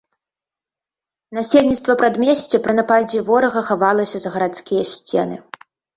Насельніцтва прадмесця пры нападзе ворага хавалася за гарадскія сцены.